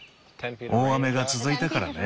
大雨が続いたからね。